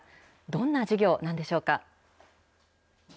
どんな事業なんでしょうか。